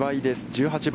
１８番。